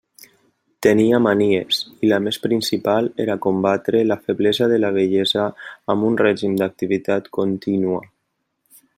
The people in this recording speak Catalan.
Tenia manies, i la més principal era combatre la feblesa de la vellesa amb un règim d'activitat contínua.